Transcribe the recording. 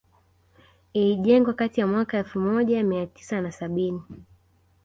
Ilijengwa kati ya mwaka elfu moja mia tisa na sabini